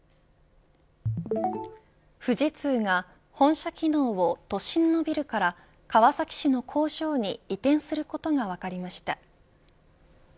富士通が、本社機能を都心のビルから川崎市の工場に移転することが分かりました。